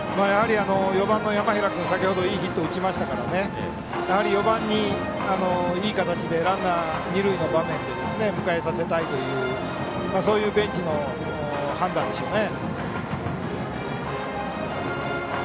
４番の山平君は先程いいヒットを打ちましたので４番に、いい形でランナー、二塁の場面で迎えさせたいというベンチの判断でしょうね。